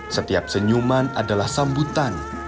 setiap senyuman adalah sambutan